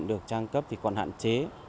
được trang cấp thì còn hạn chế